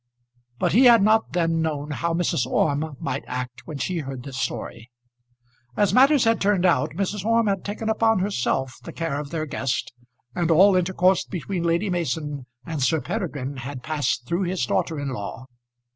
But he had not then known how Mrs. Orme might act when she heard the story. As matters had turned out Mrs. Orme had taken upon herself the care of their guest, and all intercourse between Lady Mason and Sir Peregrine had passed through his daughter in law.